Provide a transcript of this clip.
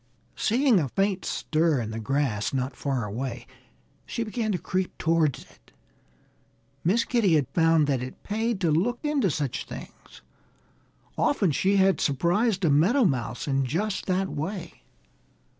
Seeing a faint stir in the grass not far away, she began to creep towards it. Miss Kitty had found that it paid to look into such things. Often she had surprised a meadow mouse in just that way.